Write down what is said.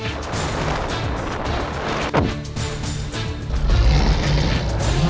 itulah pihak ini